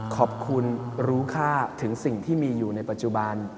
ขอบคุณรู้ค่าถึงสิ่งที่มีอยู่ในปัจจุบัน